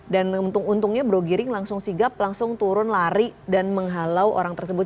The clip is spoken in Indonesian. dan untung untungnya bro giring langsung sigap langsung turun lari dan menghalau orang tersebut